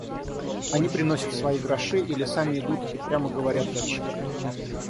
Они приносят свои гроши или сами идут и прямо говорят зачем.